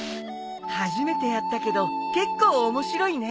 初めてやったけど結構面白いね。